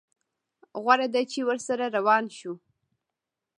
غوره ده چې ورسره روان شو.